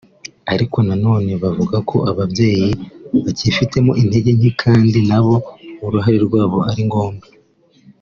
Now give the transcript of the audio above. ariko nanone bavuga ko ababyeyi bakibifitemo intege nke kandi na bo uruhare rwabo ari ngombwa